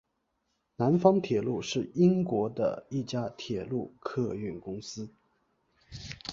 南方铁路是英国的一家铁路客运公司。